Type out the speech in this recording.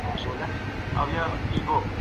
موږ به د سیاست په اړه لا ډېر څه ولولو.